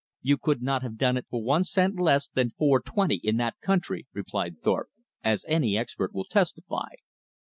"You could not have done it for one cent less than four twenty in that country," replied Thorpe, "as any expert will testify."